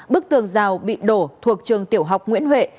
bức tường rào bị đổ thuộc trường tiểu học nguyễn huệ